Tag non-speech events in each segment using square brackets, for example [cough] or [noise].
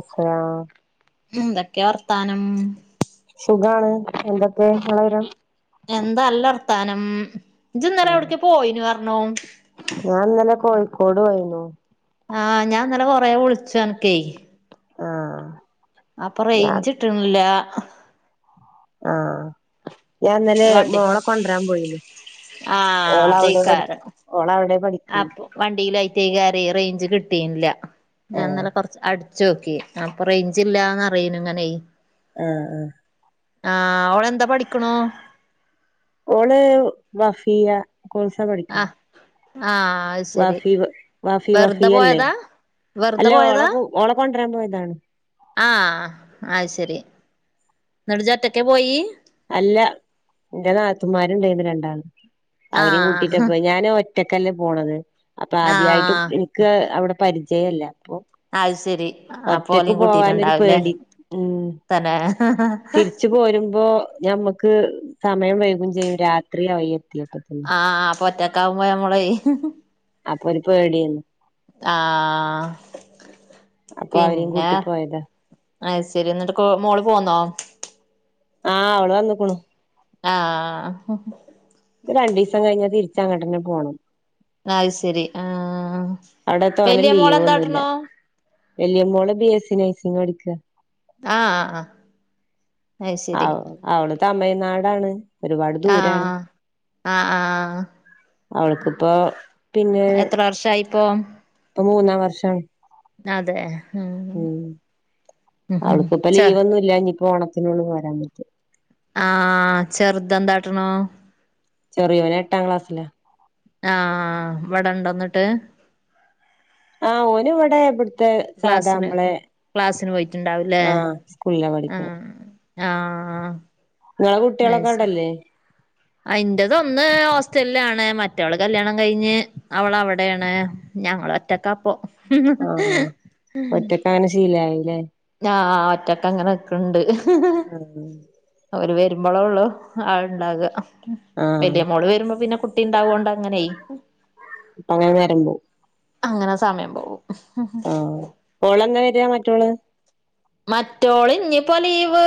Okay ഉം എന്തൊക്കെ വർത്താനം സുഖാണ് എന്തൊക്കെ ഇങ്ങളെ വിവരം എന്താ നല്ല വർത്താനം ഇജ് ഇന്നലെ ആഹ് എവിട്ക്ക പോയീനുന്ന് പറഞ്ഞു ഞാൻ ഇന്നലെ കോഴിക്കോട് പോയിരുന്നു ആഹ് ഞാൻന്നലെ കൊറേ വിളിച്ചു അ നക്കെ ആഹ് അപ്പ ഞാൻ റേഞ്ച് കിട്ടണില്ല ആഹ് ഞാൻ ഇന്നലെ വണ്ടി മോളെ കൊണ്ടുവരാൻ പോയിരുന്നു ആഹ് ഓളവിടെ പഠി അതേക്കാരം ഓളവിടെ പഠിക്ക് അപ്പൊ വണ്ടിയിൽ ആയിട്ടേ കാര്യേ റേഞ്ച് കിട്ടീന്നില്ല ഞാൻ ആഹ് ഇന്നലെ കുറച്ച് അടു വിളിച്ച് നോക്കി അപ്പൊ റേഞ്ച് ഇല്ലാന്ന് അറിയ്ണ് ഇങ്ങനെ ആ ആ ആ ഓളെന്താ പഠിക്കണു ഓള് വഫിയ്യ കോഴ്‌സാ പഠിക്കണ് ആഹ് ആഹ് ശരി വാഫി വാഫി വെറുതെ വഫിയ്യല്ലേ പോയതാ വെറുതെ അല്ലേ പോയതാ ഓളെ ഓളെ കൊണ്ട്രാൻ പോയതാണ് ആഹ് അത് ശരി എന്നിട്ട് ഇജൊറ്റെക്കേ പോയി അല്ല എന്റെ നാത്തൂമാരുണ്ടായിരുന്നു രണ്ടാള് അവരേം കൂട്ടിട്ട ആഹ് പോയി ഞാനൊ ഒറ്റക്കല്ലേ പോണത് അപ്പൊ ആദ്യമായിട്ട് ആഹ് എനിക്ക് അവിടെ പരിചയല്ല അപ്പൊ അത് ശരി അപ്പൊ ഒറ്റക്ക് ഓലേം പോവാനൊരു കൂട്ടീട്ടുണ്ടാവുംല്ലേ പേടി ഉം തന്നെ തിരിച്ച് തിരിച്ചു പോരുമ്പോ ഞമ്മുക്ക് സമയം വൈകും ചെയ്യും രാത്രി ആയി എത്തിയപ്പോത്തിന് ആഹ് അപ്പൊറ്റക്കാവുമ്പോ നമ്മളേ അപ്പൊ ഒരു പേടി ആയിരുന്നു ആ അപ്പൊ അവരേം പിന്നെ കൂട്ടി പോയതാ അത് ശരി എന്നിട്ട് മോള് പോന്നോ ആ അവള് വന്നക്കണു ആ ആ ഹ് ഇപ്പൊ രണ്ട് ദിവസം കഴിഞ്ഞാ തിരിച്ച് അങ്ങട്ടന്നെ പോകണം അത് ശരി ആ അവിടെ വലിയ മോള് എന്താ കാട്ട്ണൂ വലിയ മോള് ബി എസ് സി നഴ്സിംഗ് പഠിക്കാ. ആഹ് അ ആഹ ആ അവള് തമിഴ്നാടാണ് ഒരുപാട് ദൂരാണ് ആഹ് ആഹ് ആഹ് അവൾക്കിപ്പൊ പിന്നെ എത്ര വർഷായിപ്പോ ഇപ്പൊ മൂന്നാം വർഷാണ് അതെ ഉം ഉം അവൾക്കിപ്പ ചെർ ലീവൊന്നുല്ല ഇനിപ്പോ ഓണത്തിനൊള്ളു പോരാൻ പറ്റ ആ ചെറുതെന്താ കാട്ടണു ചെറിയോന് എട്ടാം ക്ലാസിലാ ആഹ് ഇവിടെ ഇണ്ടോ എന്നിട്ട് ആഹ് ഓനിവടെ ഇവ്ടു ഇവിടുത്തെ സാധാ ക്ലാസ്സിന് നമ്മളെ ക്ലാസ്സിന് പോയിട്ടുണ്ടാവൂല്ലേ ആ സ്കൂളിലാ പഠിക്കണ് ആഹ് ആഹ് ഇങ്ങളെ കുട്ട്യോളൊക്കെ അവടല്ലേ ആ ഇന്റെതോന്ന് ഹോസ്റ്റലിലാണ് മറ്റവള് കല്യാണം കഴിഞ്ഞ് അവളവടെയാണ് ഞങ്ങളോറ്റക്കാപ്പോ മ് ങ്ങനെ ശീലായില്ലേ ഞാ ആഹ് ആഹ് ഒറ്റക്കങ്ങനെ നിക്ക്‌ണ്ട് ആഹ് അവര് വരുമ്പളേ ഒള്ള് ആള്ണ്ടാക ആഹ് വല്യമോള് വെരുമ്പം പിന്നെ കു ട്ടി ഇണ്ടാവോണ്ടങ്ങനെ അങ്ങനെ നേരമ്പോം അങ്ങനെ സമയം പോവും ഓള്ന്നാ വെര്യാ മറ്റോള് മറ്റോള് ഇഞ്ഞിപ്പോ ലീവ്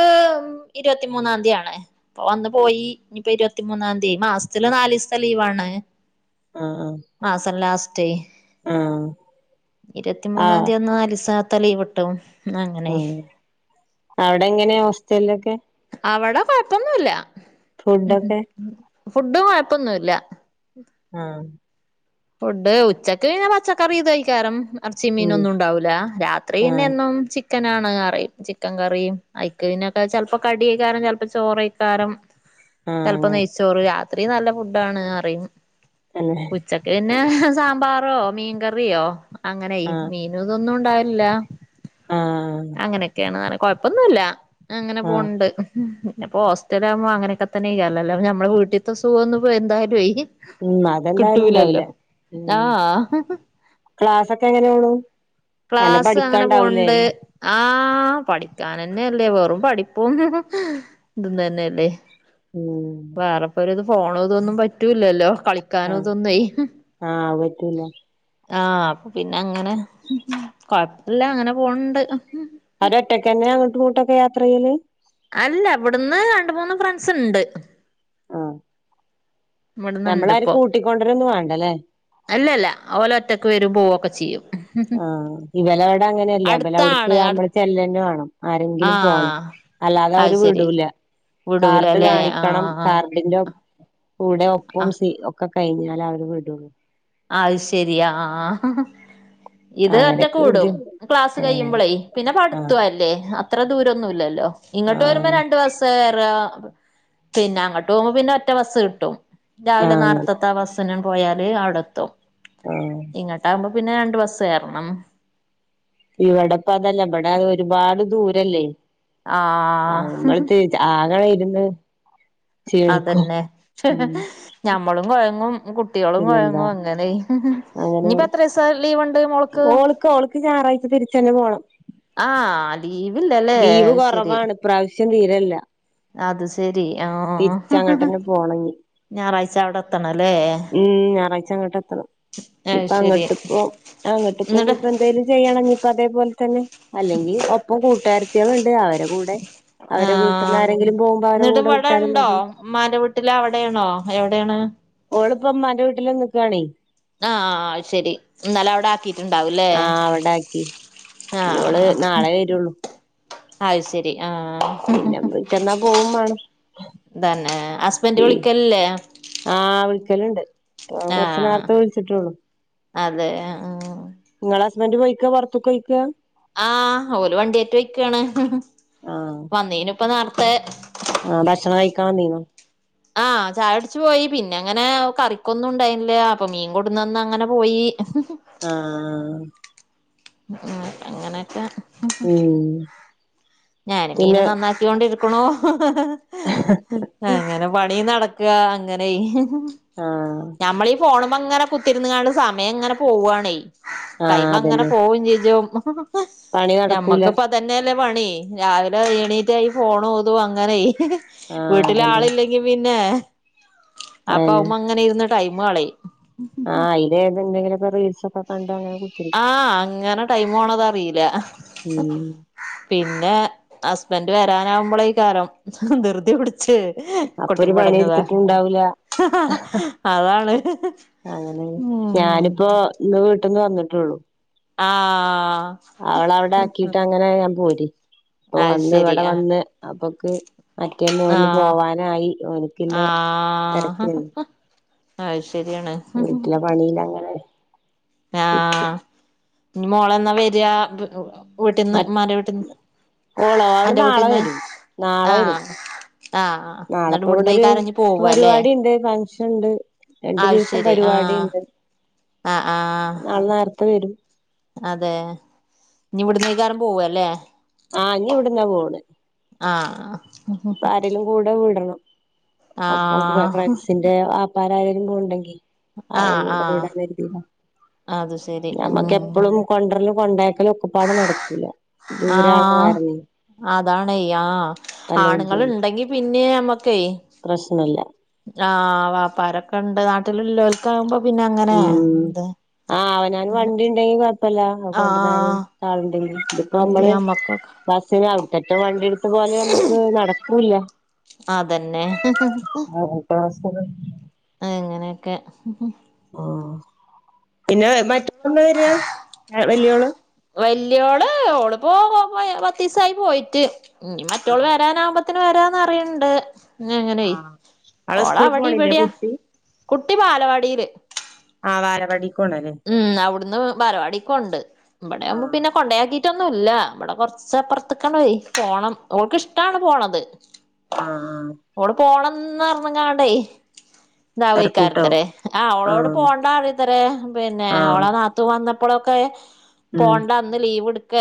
ഇരുപത്തിമൂന്നാം തീയാണേ ഇപ്പ വന്ന് പോയി ഇനിപ്പോ ഇരുപത്തിമൂന്നാംതീ മാസ്‌ത്തില് നാലീസ്‌ത്തെ ലീവാണ് ആഹ് ആഹ് മാസം ലാസ്റ്റെ ആഹ് ആഹ് ഇരുവത്തിമൂന്നാതി വന്നാ ലിസാതെ ലീവ് ട്ടും ഉം അവടെങ്ങനെയാ ഓസ്റ്റലൊക്കെ അവടെ കൊഴപ്പൊന്നുല്ല മ് ഫുഡൊക്കെ മ് ഫുഡും കൊഴപ്പൊന്നുല്ല ആഹ് ഫുഡ് ഉച്ചക്ക്ന്നെ പച്ചക്കറി ഇതയ്ക്കാരം എർച്ചീം ഉം മീനൊന്നുണ്ടാവൂലാ രാത്രി ആഹ് പിന്നെന്നും ചി ക്കനാണ് കറി ചിക്കകറിയും ഐക്ക്‌ പിന്നെക്കാ ചെൽപ്പോ കടിക്കാരം ചെൽപ്പ ചോറായിക്കാരം ആഹ് ചെൽപ്പം അങ്ങനെ നെയ്ച്ചോറ്‌ രാത്രി നല്ല ഫുഡാണ് അറിയും അങ്ങനെ ച്ചക്ക്‌ന്നെ ഹ സാമ്പാറോ മീൻകറിയോ അങ്ങനെയി ആഹ് മീ ഇതൊതെന്നും ഉണ്ടാവില്ല ആഹ് അങ്ങനെയൊക്കെയാണ് കൊഴപ്പൊന്നുല്ല അങ്ങനെ ആഹ് പോണ്ട് പിന്നിപ്പോ ഹോസ്റ്റലാമ്പോ അങ്ങനൊക്കെ തന്നെയാലെ നമ്മളെ വീട്ടിത്തെ സുഖോന്നും എന്തായിലും അയിന് ഉം അതെന്താ ട്ടൂല്ലല്ലോ ആഹ് ക്ലാസൊക്കെ എങ്ങനെ പോണു നല്ല ക്ലാസ് അങ്ങനെ പഠിക്കാണ്ടാവൂലേ പോണ്ട് ആ ആഹ് പഠിക്കാനന്നെല്ലെ വെറും പഠിപ്പും ഇതും തന്നെല്ലേ മ് വേറെപ്പോര്ത് ഫോണോതൊന്നും പറ്റൂലല്ലോ കളി ക്കാനും ആഹ് ഇതൊന്നുവേ ആഹ് പറ്റൂല ആഹ് പിന്നെ അങ്ങനെ കൊഴപ്പില്യ അങ്ങനെ പോണ്ട് അവര് ഒറ്റക്കന്ന്യ അങ്ങോട്ടും ഇങ്ങോട്ടുക്കെ യാത്രയ്യെല് അല്ല ഇവിടുന്ന് രണ്ട് മൂന്ന് ഫ്രണ്ട്സിണ്ട് ആഹ് ഇവിടന്ന് ഞമ്മളാരും ഇണ്ടിപ്പോ കൂട്ടിക്കൊണ്ടരൊന്നും വേണ്ടല്ലേ അല്ലല്ല ഓല് ഒറ്റക്ക് വരും പോവ്വോക്കെ ചെയ്യും ആഹ് ഇവല് അവടെ അങ്ങനെയല്ല ഇവലടുക്ക് അടുത്താണ് അടു അമ്മള് ചെല്ലന്നേ വേണം ആരെങ്കിലും പോണം ആഹ് അല്ലാതെ അത് അവര് ശരി വിടൂല കാർഡ് വിടൂലല്ലേ കാണിക്കണം ആഹ് കാർഡിന്റെ കൂടെ ഒപ്പും ആഹ് സി ഒക്കെ കയിഞ്ഞാലെ അവര് വിടുള്ളൂ അയ് ശെരിയാ ആഹ് ആഹ് ഇത് അങ്ങനൊക്കെ ഒറ്റക്ക് വിടും ബുദ്ധി ക്ലാസ് ആഹ് കയിമ്പളേ പിന്നെ ആഹ് പഠിത്ത്വ അല്ലെ അ ത്ര ദൂരൊന്നുല്ലല്ലോ ഇങ്ങോട്ട് വെരുമ്പം ആഹ് രണ്ട് വ്സ് ത്ത്റാ പിന്നെ അങ്ങോട്ട് പോവുമ്പോ പിന്നെ ഒറ്റബസ്സ്കിട്ടുംരാവിലെ ആഹ് നേർത്ത ത്ത വസനം പോയാല് അവിടെ എത്തും ആഹ് ഇങ്ങോട്ട ആകുമ്പോപിന്നെ രണ്ട് ബസ്സ് കേറണം. ഇവിടെപ്പ അതല്ല ഇവിടെ ഒരുപാട് ദൂരല്ലേ ആ ആഹ് [unintelligible] ആരാ വരുന്ന് അതന്നെ ഉം [unintelligible] ഞമ്മളും കൊയങ്ങും കുട്ട്യോളും പിന്നെന്താ കൊയങ്ങും അങ്ങനെ അങ്ങനെ ഇനിപ്പോ അത്ര സ ലീവ് ഒണ്ട് മോൾക്ക് ഓൾക്ക് ഓൾക്ക് ഞായറാഴ്ച തിരിച്ചന്നെ പോണം ആഹ ലീവില്ലല്ലേ അഹ് ശെരി. പ്രാവശ്യം തീരല്ല ശരി ആഹ് തിരിച്ചങ്ങട്ടന്നെ പോണംഞ്ഞി. ഞായറാഴ്ച അവിടെ എത്തണല്ലേ ഉം ഞായറാഴ്ച അങ്ങട്ട് എത്തണം. അത് ഇപ്പൊ ശരി അങ്ങട്ട്പ്പൊ അങ്ങട്ട് ഇപ്പ എന്നിട്ട് ഇപ്പോ എന്തേലും ചെയ്യണപ്പൊ ഇഞ്ഞി. ഇപ്പ അതേപോലെ തന്നെ അല്ലെങ്കിൽ ഒപ്പം കൂട്ടേരതിയാൾ അവരെ കൂടെ. അവരെ വീട്ട്ന്ന് ആഹ് ആരെങ്കിലും പോകുമ്പോ അവരെ കൂടെ വിട്ടാലും മതി. മാന്റെ വീട്ട്ല് അവിടെണോ എവിടെണ്. ഓള്പ്പോ ഇമ്മാന്റെ വീട്ടിൽ നിന്ന്കാണേ. ആഹ അഹ്ശെരി ഇന്നാല അവടെ എത്തിട്ടുണ്ടാവല്ലേ ആഹ് അവിടെ ആക്കി ഇഞ്ഞോള് ആഹ നാളെ വരുള്ളൂ അത് ശരി ആഹ. പിന്നെ പിറ്റന്നാ പോവും മാണം തന്നെ ഹസ്ബൻണ്ട് ഈ വിളിക്കലില്ലേ. ആഹ് വിളിക്കലുണ്ട് കൊർച് ന്നാർത്തെ വിളിച്ട്ടൊള്ളു. അതെഅ ആ നിങ്ങള ഹസ്ബൻഡറ് പോയിക്കപൊറുത്തക്കപൊയിക്കാ. ആഹ് ഓല് വണ്ടിയേറ്റ് പോയ്കാണ് വന്നീനുപ്പൊ നാർത്തെ. ആഹ ഭക്ഷണം കഴിക്കാൻ വന്നിനു. [inaudible] ആഹ് ചായുടിച്ചു പോയി പിന്നെ അങ്ങനെ കറിക്കൊന്നും ഉണ്ടായിന്നില്ല അപ്പൊ മീൻ കൊട്ന്നന്ന് അങ്ങനെ പോയി. ആഹ് ഉം അങ്ങനെഒക്കെ. ഉം. ഞാൻ മീൻ പിന്നെ നന്നാക്കികൊണ്ടിരിക്ണു അങ്ങനെ പണി നടകുണു. ക് അങ്ങനെ. ആഹ് ഞമ്മളീഈ പോണുമ്മങ്ങനെ കുത്തിര്ന്ന് ങ്ങാണ്ട് സമയം ഇങ്ങനെ പോവാണേയ്. ആഹ് ടൈമ് അങ്ങനെ അതന്നെ പോകും ചെജ്ഉം പണി നടക്കൂല ഞമ്മക്ക്പ്പ തന്നെല്ലേ പണി രാവിലെ എണീറ്റാഈ ഫോണു തു അങ്ങനെ ആഹ് വീട്ടില് അതന്നെ ആളില്ല [unintelligible] പിന്നെ അപ്പവ് അതന്നെ മ്മെ ങ്ങനെ ഇരുന്ന് ടൈമ് കളയും. ആഹ അയിന് എന്തെങ്കിലും റീൽസോക്കെ കണ്ടു അങ്ങനെ. കുത്തിരിക്കും ആഹ് അങ്ങനെ ടൈം പോണത അറില. ഉം പിന്നെ ഹസ്ബന്റ് വരാനാവുമ്പോള കാരം ദൃർതി പിട് ച് അപ്പൊ കൊട്ടി ഒരു പണി പടഞ്ഞതാ. എടുത്തിട്ടുണ്ടാവൂല [unintelligible] അതാണ് ഉം. ആ ഇന്ന് വീട്ടിൽന്ന് വന്നിട്ടുള്ളൂ. ആഹ് അവളവിടെ ആക്കിട്ട് അങ്ങനെ ഞാൻ പോരെ അപ്പൊ അത് വന്ന് ശരി ഇവിടെ ആഹ് വന്ന് അപ്പൊക്ക്. മറ്റേ മോന് പോവാനായി ഓനിക്കിന്നെ. ആഹ് ആത് ശരിയാണ്. വീട്ടിലെ പണില്ലങ്ങനെ. ആഹ് ഇഞ്ഞിമോള എന്നാ വെരവീട്ടീന്ന് മ്മാടെ വീട്ട് ന്ന്. ഓളോഓള് നാളെ വരും. നാളെ വരും ആഹ് ആഹ് എന്നിട്ട് ഇവിടുന്ന് ഈ നാളെപ്പവടൊര് കാരം ഇഞ്ഞ് പോവല്ലേ പരിവാടി ഉണ്ട് ഫങ്ഷൻ ണ്ട്. രണ്ടു അത് ദിവസം ശരി പരിപാടി ആഹ് ഉണ്ട് ആഹ് ആഹ് നാളെ നാർത്തെ വരും. അതെ ഇനി വിടന്നയ്കാരം പോവല്ലേ? ആഹ് നിവിടന്നാ പോണ്. ആഹ്.. പ്പ ആരെലും കൂടെ വിടണം ഒപ്പം ഒക് ഫ്ര ആഹ് ഫ്രൻസിന്- തേ ആപ്പാരാരെലൊണ്ടെകി അവരെ ആഹ് കൂടെ ആഹ് വിടാനായിരിതിത ലെ അത് ശരി ഉം ഞമ്മക്ക് എപ്പഴും. കൊണ്ടർലും കൊണ്ടേക്കലൊക്കപ്പാടെ നടക്കൂല. ആ ദൂരാണ് കാരണെ അതാണ്യ്യാ നല്ല ബുദ്ധിമുട്ട് ആണുങ്ങള്ണ്ടെങ്കി പിന്നേ മ്മക്കേയ് പ്രശ്നല്ല. ആ വാപ്പാരൊക്കെണ്ട് നാട്ട്ല്ല്ലോൽ താവുമ്പൊ പിന്നെ അങ്ങനെ ഉം എന്താ? ഇപ്പല്ല കൊണ്ടരാണ് ആളുണ്ടെങ്കി ഇതിപ്പോ ഇത് നമ്മള് നമ്മക്കൊക്കെ ബസിനൗടത്തെ റ്റേ വണ്ടിട്ത്ത് പോല് നമ്മക്ക് നടക്കൂല്ല. അതന്നെ ഹ് ഹ് ആ [unintelligible] കുട്യാളെ സ്‌കൂളയ്ഞ്ഞ് അങ്ങനെയൊക്കെ ഹ്ഹ് ഓ പിന്നെ എന്ന്ട്ക്ന്ന് വര്യ വല്യോള്? വല്യോള് ഓള് പോ പോയ പത്തീസായി പോയിട്ട് ഇനി മറ്റോള് ആഹ് വരാനാാവുമ്പത് ത്തിന് വരാന്നറിയണ്ട് ന്നങ്ങനെയ ആഹ് അവള് ഓള സ്കൂള് പോണില്ലേ വടിവട്യാ കുട്ടി കുട്ടി ബാലവാടിയില് ആഹ് ബാലവാടിപൊണലെ? ഉം അവിടുന്ന് ബാലവാടീക്കോവ്ണ്ട്. ഇബട്യാവുമ്പ ആഹ് പിന്നെ കൊണ്ടയാക്കിയിട്ടൊന്നും ല്ല ഇബടെ കൊറച്ചപ്പറത്തക്കണ്ടെയ് ക്ക് പോണം. ഓക്ക് ഷ്‌ടാണ് പോണത്. ആഹ് ആഹ് ഓള് പോണംന്ന് അറിഞ്ഞ്ങ്ങാണ്ടെയ് തെരക്കൂട്ടാവും ണ്ടാവ്യയ്കാരത്രെ ആ ഓളോട് ആഹ് പോണ്ടാ റ്യത്തത്രെ പിന്നെ ആഹ് ഓളെ ന നാത്തൂ വന്നപ്പളൊക്കെ ഉം പോണ്ടാ ന്ന് ലീവ് എടുക്ക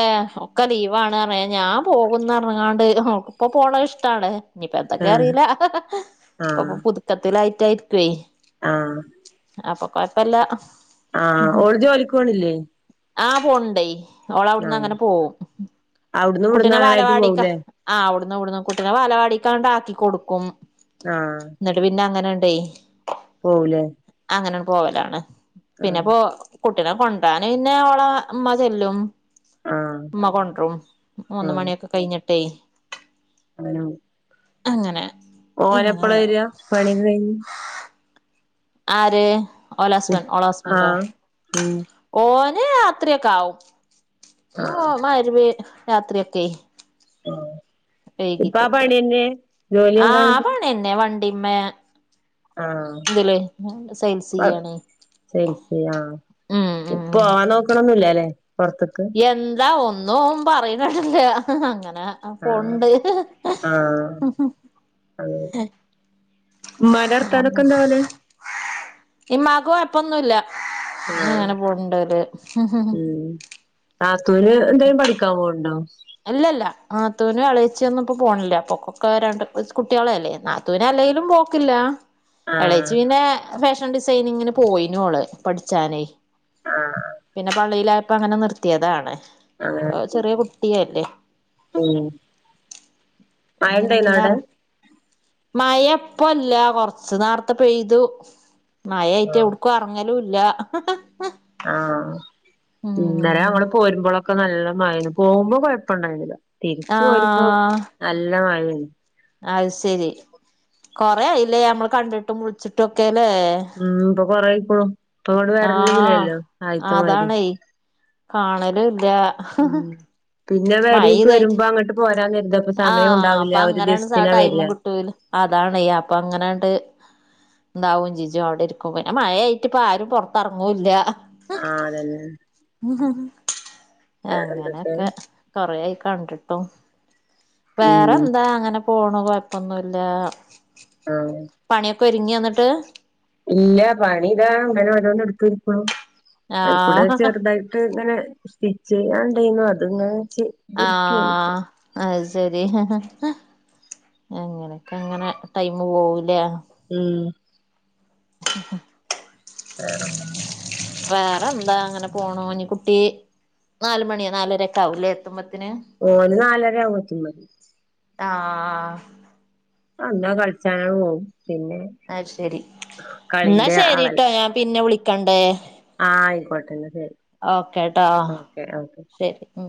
ഒക്കെ ലീവാണ്റ്യാ ഞാൻ പോവുംന്നറഞ്ങ്ങാണ്ട് ഇപ്പൊ പോണ ഇഷ്ടാണ്. ആഹ് ഞ്ഞ്പ്പത്തക്വാറീലാ ഹഹഹ് ആഹ് ഒക്കെ പുതുക്കത്തിലായിട്ടായിരുക്കേ.. ആഹ് അപ്പൊ കൊയപ്പല്ലാ. ആഹ് ഓള് ജോലിക്കോണില്ലേ? ആ പോണ് ണ്ടേയ് ഓളവിടുന്ന് ആഹ് അങ്ങനെ പോവും അവിടന്നും ഇവിടന്നും കുട്ടിനെ അങ്ങനായിട്ട് വാലവാടിക്ക പോവുലേ ആ അവുടുന്നുംവ്ട്ന്നും കുട്ടിനെ ബാലവാടിക്കാണ്ടാക്കി കൊടുക്കും.. ആഹ് എന്നിട്ട് പിന്നെ അങ്ങനണ്ടേ പോവുലേ? അങ്ങനാങ്ങ് പോവലാണ്. പിന്നെ ആഹ് പോ കുട്ടിനെ കൊണ്ടരാന് പിന്നെ ഓളെ മ്മ ചെല്ലും. ആഹ് ഉമ്മ കൊണ്ടും മൂന്ന് മണിയൊക്കെ കയ്ഞ്ഞിട്ടേ അവനോ? അങ്ങനെ. അങ്ങനെ ഓലെപ്പളാ അതാവും വര്യാ പണ്യൊക്കെ കയ്ഞ്ഞ്? ആര് ഓല ഹസ്ബൻറ് ഓളെ സ്ബൻന്റോ? ആഹ് ഉം ഓന് രാത്രിയൊക്കെ ആവും മ് ആഹ് മഗ്‌രിബിന് രാത്രിയൊക്കെയ് ഇപ്പാ പണ്യന്നെ? ആഹ് പണ്യന്നെ വണ്ടിമ്മെ ആഹ് സെയിൽസ് കൊ [unintelligible] ചെയ്യാണ് ആഹ് ഉം ഉം ഇപ്പോ ഓ നോക്ക്ണൊന്നൂല്ലാലെ പൊർത്ത്ക്ക് എന്താ ഒന്നും ഓൻ പറയ്ണെ കേട്ടിട്ടില്ലഅങ്ങനെ ആഹ് അപ്പൊണ്ട് ആഹ് അതെ ഉമ്മാന്റെ വർത്താനൊക്കെ ആഹ് എന്താ പോലെ ഇമ്മാക്ക് കൊയ്പ്പൊന്നുല്ല ആഹ് ഇന്ന്ങ്ങനെ പോവ്ണ്ടോല് ഉം നാത്തൂന് എന്തേലും പഠിക്കാൻ പോവ്ണ്ടോ? ഇല്ലല്ല നാത്തൂനും എളച്ചിയൊന്നുംപ്പ പോണ്ല്ല പ്പക്കൊക്കെ രണ്ട് കുട്ട്യാളായില്ലേ നാ ത്തൂനല്ലെങ്കിലും പോക്കില്ല എളേച്ചി ആഹ് പിന്നെ ഫാഷൻ ഡിസൈനിങ്ങിന് പോയിനോള് പഠ്ച്ചാനേയ് ആഹ് പിന്നെ പള്ളിയിലായപ്പങ്ങനെ നിർത്തീയതാണ് അങ്ങനെ ഇപ്പൊ ചെറിയ കു ട്ടിയല്ലേ ഉം മഴ ഒന്നിനും ഇണ്ടായിന്നോ പിന്നെർ അവിടെ മയപ്പൊല്ല കൊർച്ച് നേർത്തെ പെയ്തു മയായിട്ട് ആഹ് എവ്ട്ക്കും എർങ്ങലൂല്ല ആഹ് ഇന്നലെ ഞങ്ങള് പോരുമ്പോളൊക്കെ നല്ല മയേയ്ന് പോകുമ്പോ കൊയ്‌പ്പൊണ്ടായ്ന്നീല തിര്ച്ച് പോരുമ്പോ നല്ല മഴേന്ന് അയ് ശെരി കൊറേ ആയില്ലേ നമ്മള് കണ്ട്ട്ടും വുള്ച്ച്ട്ടും ഒക്കെലേ ഉം ഇപ്പൊ കൊറായിപ്പൊ പ്പങ്ങോട്ട് ആഹ് വെര്ലൂലല്ലോ ആദ്യത്തെമാത് രി കാണലൂല്ല ഉം പിന്നെ പെരീക്ക് ഇതായിട്ട് വരുമ്പോങ്ങട്ട് പോരാൻ കെർതും ആഹ് അപ്പങ്ങനാണ്ട് സാ ടൈമും കിട്ടൂല അതാണ് അപ്പങ്ങനാണ്ട് ണ്ടാവും ചെജ്ജും അവ്ടെര്ക്ക്മ്പൊ പിന്നെ മഴയായിട്ട്പ്പാരും പൊർത്തെർങ്ങൂല്ല ആഹ് അതന്നെ വേറെന്തൊക്കെ അങ്ങനൊക്കെ കൊറേയി കണ്ടിട്ടും ഉം വേറെന്താ അങ്ങനെ പോണ് കൊയ്പ്പൊന്നുല്ലാ ആഹ് പണിയൊക്കെ ഒർങ്ങിയോന്നട്ട് ഇല്ല പണിതാ ഇങ്ങനോരോന്ന്ട്ത്തിര്ക്ക്ണൂ അയ്കൂടെ ആഹ് ചെർതായിട്ട് ഇങ്ങനെ സ്റ്റിച്ച് അത്ണ്ടായ്നു അത്ങ്ങനെച്ച് ആഹ് അത് ശരി അങ്ങനൊക്കങ്ങനെ ടൈമ് പോവുല്ലെ? ഉം [inaudible] വേറെന്താ? വേറെന്താ അങ്ങനെ പോണു ഇനി കുട്ടീ നാല് മണി നാലരൊക്കെയാവൂല്ലേ എത്തുമ്പത്തിന്? ഓള് നാലരയാവും എത്തുമ്പൊത്ത്ന് ആഹ് വന്നാ കൾച്ചാനാണ്ട് പോകും പിന്നെ അയ് ശെരി എന്നാ കളിന്റെ ശരിട്ടോ ഞാൻ പിന്നെ വിളിക്കെണ്ട് ആഹ് അയ്ക്കോട്ടെന്നാ ശരി ഓക്കെ ഓക്കെ ശരി ഉം